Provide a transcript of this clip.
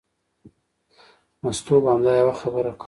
مستو به همدا یوه خبره کوله.